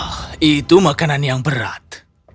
hah itu makanan yang berat